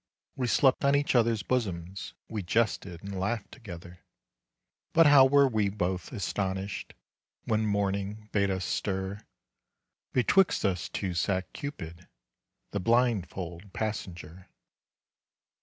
We slept on each other's bosoms, We jested and laughed together. But how were we both astonished, When morning bade us stir, Betwixt us two sat Cupid, The blindfold passenger.